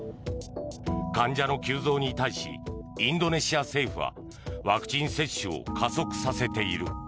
患者の急増に対しインドネシア政府はワクチン接種を加速させている。